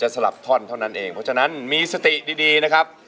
สลับท่อนเท่านั้นเองเพราะฉะนั้นมีสติดีนะครับ